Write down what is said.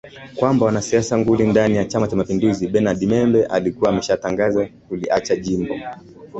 kwamba mwanasiasa nguli ndani ya Chama cha mapinduzi Bernard Membe alikuwa ameshatangaza kuliacha jimbo